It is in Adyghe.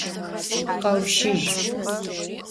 Kheuşej!